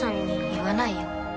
言わないよ。